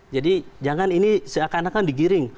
jadi jangan ini seakan akan digiring